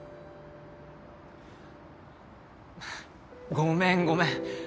ごめんごめん。